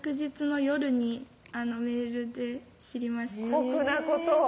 酷なことを。